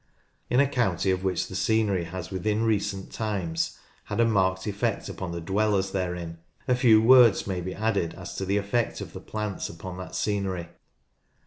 In a county of which the scenery has within recent times had a marked effect upon the dwellers therein, a few words may be added as to the effect of the plants upon that scenery.